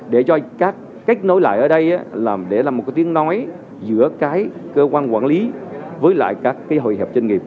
để cho các kết nối lại ở đây để làm một cái tiếng nói giữa cái cơ quan quản lý với lại các hội hợp trên nghiệp